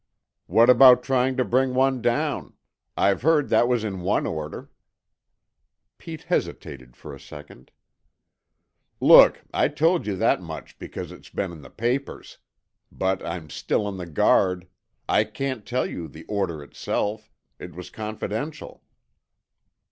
"What about trying to bring one down? I've heard that was in one order." Pete hesitated for a second. "Look, I told you that much because it's been in the papers. But I'm still in the Guard. I can't tell you the order itself. It was confidential."